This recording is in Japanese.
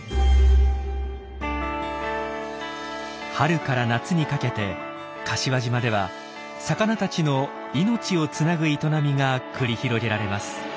春から夏にかけて柏島では魚たちの命をつなぐ営みが繰り広げられます。